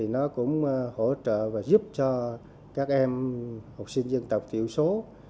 nó cũng hỗ trợ và giúp cho các em học sinh dân tộc thiểu số